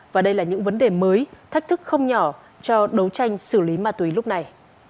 và đây là những vấn đề mới thách thức không nhỏ cho đấu tranh xử lý ma túy lúc này